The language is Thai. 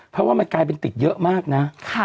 เพราะว่ามันกลายเป็นติดเยอะมากนะ